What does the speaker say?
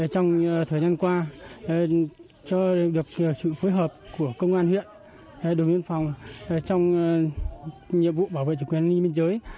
trong thời gian qua cho được sự phối hợp của công an huyện đồng nhân phòng trong nhiệm vụ bảo vệ chủ quyền an ninh biên giới